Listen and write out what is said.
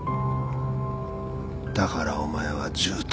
だからお前は十斗